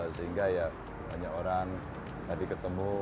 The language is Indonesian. sehingga ya banyak orang tadi ketemu